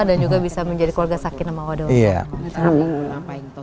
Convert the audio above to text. dan juga bisa menjadi keluarga sakin sama waduh